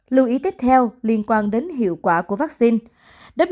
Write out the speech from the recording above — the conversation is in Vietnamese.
lưu ý tiếp theo liên quan đến hiệu quả của vaccine